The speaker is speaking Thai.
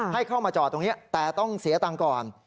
ให้เข้ามาจอดตรงนี้แต่ต้องเสียตังค์ก่อน